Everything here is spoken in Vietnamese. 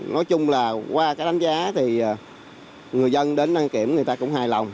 nói chung là qua cái đánh giá thì người dân đến đăng kiểm người ta cũng hài lòng